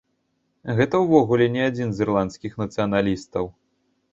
Гэта ўвогуле не адзін з ірландскіх нацыяналістаў.